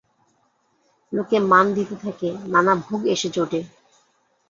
লোকে মান দিতে থাকে, নানা ভোগ এসে জোটে।